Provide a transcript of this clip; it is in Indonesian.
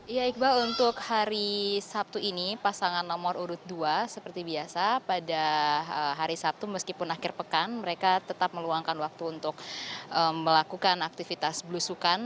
ya iqbal untuk hari sabtu ini pasangan nomor urut dua seperti biasa pada hari sabtu meskipun akhir pekan mereka tetap meluangkan waktu untuk melakukan aktivitas belusukan